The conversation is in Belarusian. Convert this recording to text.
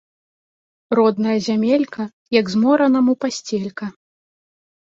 Родная зямелька – як зморанаму пасцелька